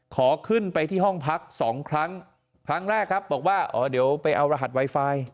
ขอขึ้นไปที่ห้องพักสองครั้งครั้งแรกครับบอกว่าอ๋อเดี๋ยวไปเอารหัสไวไฟ